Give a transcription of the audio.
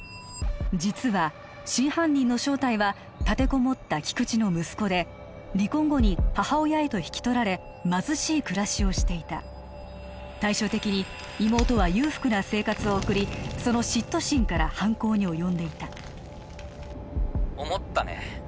実は真犯人の正体は立てこもった菊知の息子で離婚後に母親へと引き取られ貧しい暮らしをしていた対照的に妹は裕福な生活を送りその嫉妬心から犯行に及んでいた思ったね